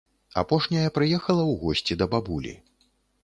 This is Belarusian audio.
Апошняя прыехала ў госці да бабулі.